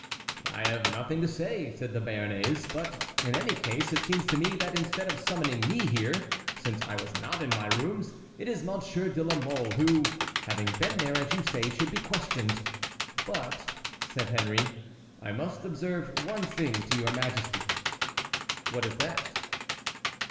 "I have nothing to say," said the Béarnais. "But in any case it seems to me that instead of summoning me here, since I was not in my rooms, it is Monsieur de la Mole, who, having been there, as you say, should be questioned. But," said Henry, "I must observe one thing to your Majesty." "What is that?"